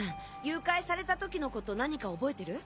誘拐された時のこと何か覚えてる？